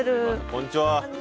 こんにちは。